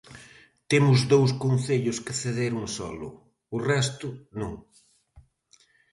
Temos dous concellos que cederon solo; o resto, non.